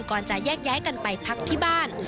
ก่อนจะแยกย้ายกันไปพักที่บ้าน